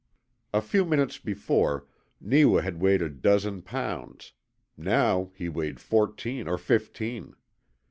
A few minutes before, Neewa had weighed a dozen pounds; now he weighed fourteen or fifteen.